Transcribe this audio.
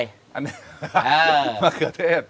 อันนี้มะเขือเทศ